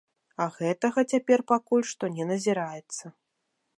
А гэтага цяпер пакуль што не назіраецца.